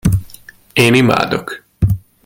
Én imádok.